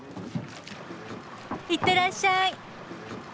行ってらっしゃい！